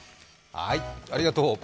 ありがとう。